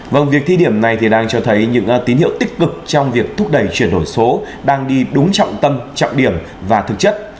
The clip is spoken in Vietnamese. vâng việc thi điểm này thì đang cho thấy những tín hiệu tích cực trong việc thúc đẩy chuyển đổi số đang đi đúng trọng tâm trọng điểm và thực chất